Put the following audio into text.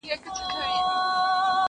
ویل کيږي چي کارګه ډېر زیات هوښیار دی٫